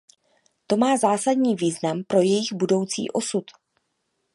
To má zásadní význam pro jejich budoucí osud.